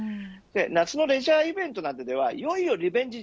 夏のレジャーイベントではいよいよリベンジ